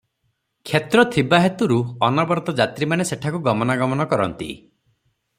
କ୍ଷେତ୍ର ଥିବା ହେତୁରୁ ଅନବରତ ଯାତ୍ରିମାନେ ସେଠାକୁ ଗମନାଗମନ କରନ୍ତି ।